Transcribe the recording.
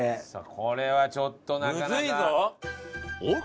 これはちょっとなかなか。